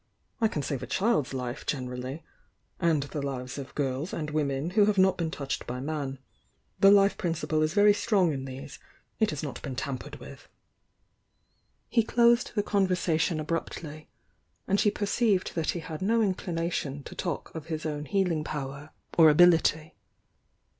I can save a child's life generally — and the lives of girls and women who have not been touched by man. The life principle is very strong in these,— it has not been tampered with." He closed the conversation abruptly, and she per ceived that he had no inclination to talk of his own healing power or ability.